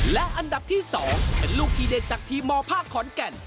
และอันดับที่๒เป็นลูกทีเด็ดจากทีมมภาคขอนแก่น